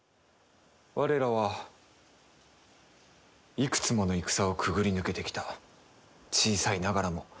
我らはいくつもの戦をくぐり抜けてきた小さいながらも固い固い一丸。